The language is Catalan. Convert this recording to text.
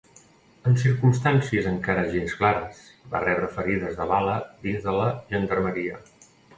En circumstàncies encara gens clares, va rebre ferides de bala dins de la gendarmeria.